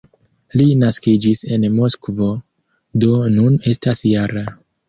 Li naskiĝis en Moskvo, do nun estas -jara.